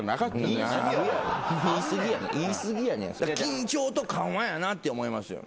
緊張と緩和やなって思いますよ。